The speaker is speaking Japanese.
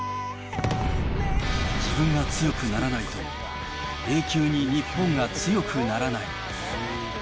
自分が強くならないと、永久に日本が強くならない。